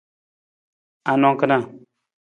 Anang kana?